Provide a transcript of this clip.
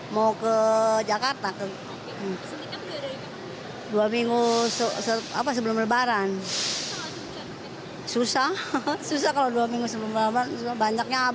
mau ke jakarta dua minggu sebelum lebaran